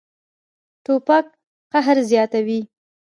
توپک قهر زیاتوي.